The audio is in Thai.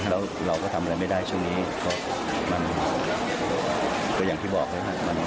แล้วเราก็ทำอะไรไม่ได้ช่วงนี้มันก็อย่างที่บอกนะครับ